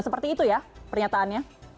seperti itu ya pernyataannya